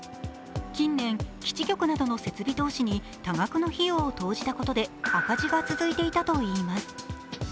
近年、基地局などの設備投資に多額の費用を投じたことで赤字が続いていたといいます。